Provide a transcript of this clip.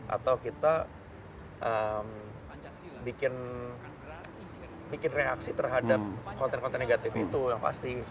atau kita bikin reaksi terhadap konten konten negatif itu yang pasti